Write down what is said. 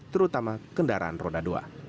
terutama kendaraan roda dua